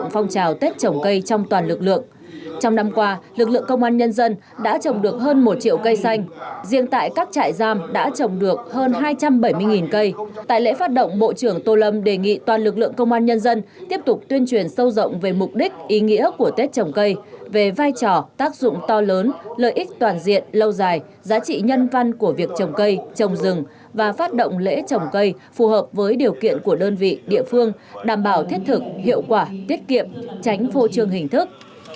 phát động bộ trưởng tô lâm đề nghị toàn lực lượng công an nhân dân tiếp tục tuyên truyền sâu rộng về mục đích ý nghĩa của tết trồng cây về vai trò tác dụng to lớn lợi ích toàn diện lâu dài giá trị nhân văn của việc trồng cây trồng rừng và phát động lễ trồng cây phù hợp với điều kiện của đơn vị địa phương đảm bảo thiết thực hiệu quả tiết kiệm tránh vô trường hình thức